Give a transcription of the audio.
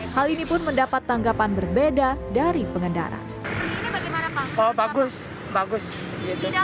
hal ini pun mendapat tanggapan berbeda dari pengendaraan bagaimana bagus bagus tidak